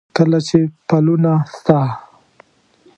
کله چې پلونه ستا،